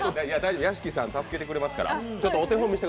屋敷さん、助けてくれますから、大丈夫です。